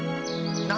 何？